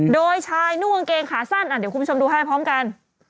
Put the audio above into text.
โดยชายนุ่งกางเกงขาสั้นเดี๋ยวคุณผู้ชมดูให้พร้อมกัน